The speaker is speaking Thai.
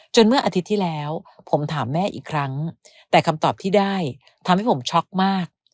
เมื่ออาทิตย์ที่แล้วผมถามแม่อีกครั้งแต่คำตอบที่ได้ทำให้ผมช็อกมาก